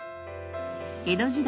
江戸時代